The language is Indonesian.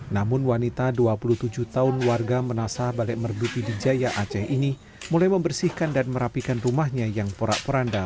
namun wanita dua puluh tujuh tahun warga menasah balik merdu pidijaya aceh ini mulai membersihkan dan merapikan rumahnya yang porak poranda